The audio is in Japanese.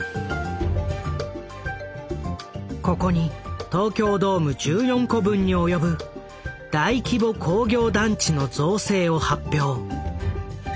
ここに東京ドーム１４個分に及ぶ大規模工業団地の造成を発表。